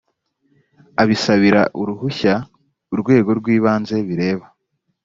abisabira uruhushya urwego rw ibanze bireba